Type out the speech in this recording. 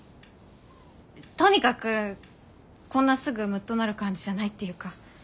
とにかくこんなすぐムッとなる感じじゃないっていうか。